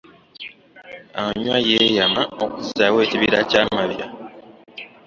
Anywar yeeyama okuzzaawo ekibira kya Mabira.